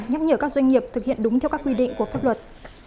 nhắc nhở các doanh nghiệp thực hiện đúng theo các quy định của pháp luật